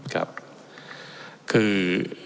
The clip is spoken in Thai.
คือ